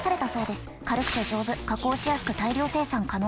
軽くて丈夫加工しやすく大量生産可能。